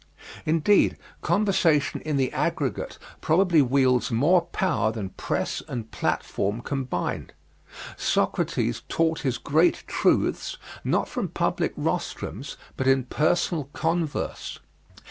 Indeed, conversation in the aggregate probably wields more power than press and platform combined. Socrates taught his great truths, not from public rostrums, but in personal converse.